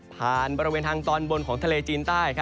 บริเวณทางตอนบนของทะเลจีนใต้